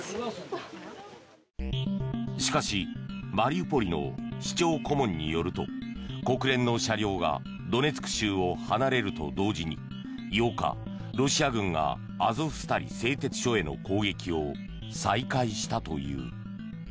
しかしマリウポリの市長顧問によると国連の車両がドネツク州を離れると同時に８日、ロシア軍がアゾフスタリ製鉄所への攻撃を再開したという。